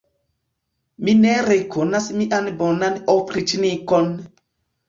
Mi ne rekonas mian bonan opriĉnikon!